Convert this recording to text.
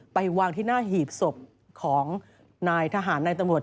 ไปวางที่หน้าหีบศพของนายทหารนายตำรวจ